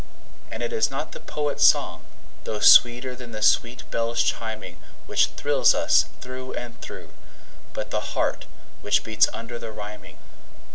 And it is not the poet's song, though sweeter than sweet bells chiming, Which thrills us through and through, but the heart which beats under the rhyming.